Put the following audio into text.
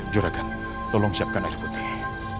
juragan tolong siapkan air putih